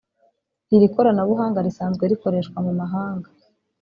Iri koranabuhanga risanzwe rikoreshwa mu mahanga